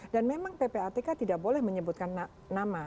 dan memang ppatk tidak boleh menyebutkan nama